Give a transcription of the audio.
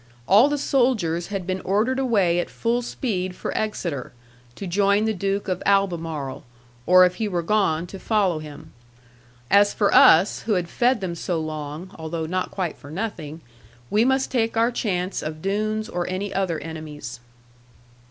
All the soldiers had been ordered away at full speed for Exeter, to join the Duke of Albemarle, or if he were gone, to follow him. As for us, who had fed them so long (although not quite for nothing), we must take our chance of Doones, or any other enemies.